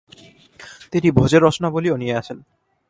তিনি ভোজের রচনাবলিও নিয়ে আসেন।